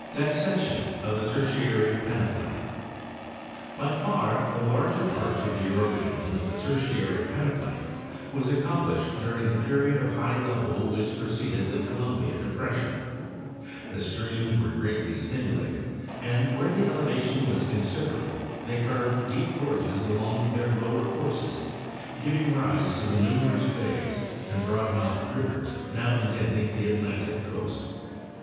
DISSECTION OF THE TERTIARY PENEPLAIN. By far the larger part of the erosion of the Tertiary pene plain was accomplished during the period of high level which preceded the Columbia depression, The streams were greatly stimulated, and where the elevation was considerable they carved deep gorges along their lower courses, giving rise to the numerous bays and broad mouthed rivers now indenting the Atlantic coast.